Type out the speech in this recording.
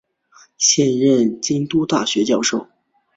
现任京都大学教授。